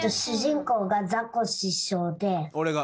俺が？